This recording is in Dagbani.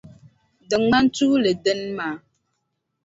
Di ŋmani tuuli dini maa?